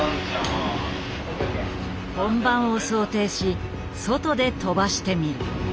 本番を想定し外で跳ばしてみる。